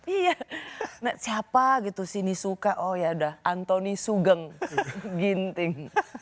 iya siapa gitu sinisuka oh yaudah antoni sugeng ginting